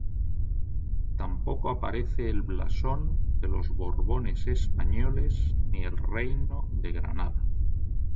Tampoco aparece el blasón de los Borbones españoles ni el Reino de Granada.